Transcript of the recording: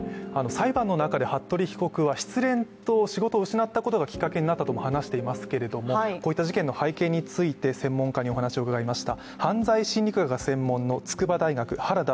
裁判の中で服部被告は失恋と仕事を失ったことがきっかけになったと話していましたが、こういった事件の背景について専門家にお話を伺いました。